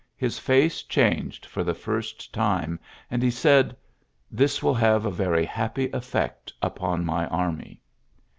his foce changed for the first time 5 i he said, '^This will have a very haj eflfect upon my army.''